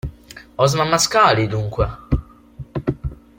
Osman Mascali, dunque.